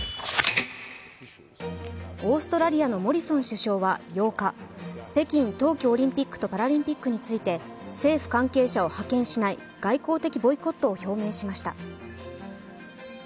オーストラリアのモリソン首相は８日、北京冬季オリンピックとパラリンピックについて、政府関係者を派遣しない外交的ボイコットを表明しました。